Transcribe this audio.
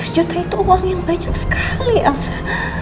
seratus juta itu uang yang banyak sekali elsa